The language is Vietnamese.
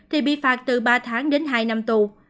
thì bị phạt từ ba tháng đến hai năm tù